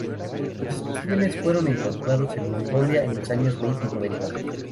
Los especímenes fueron encontrados en Mongolia en los años veinte y noventa.